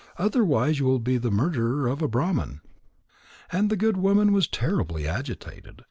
Otherwise you will be the murderer of a Brahman." And the good woman was terribly agitated.